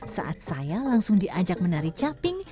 saat saya langsung diajak menari caping